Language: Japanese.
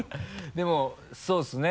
でもそうですね